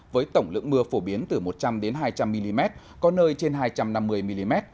với tổng lượng mưa phổ biến từ một trăm linh hai trăm linh mm có nơi trên hai trăm năm mươi mm